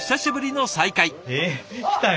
え来たよ。